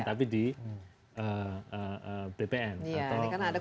tapi di bpn atau